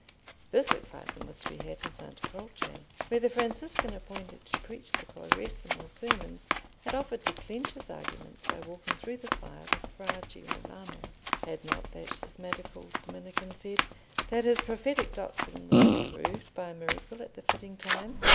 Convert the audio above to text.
This excitement was to be had in Santa Croce, where the Franciscan appointed to preach the Quaresimal sermons had offered to clench his arguments by walking through the fire with Fra Girolamo. Had not that schismatical Dominican said, that his prophetic doctrine would be proved by a miracle at the fitting time?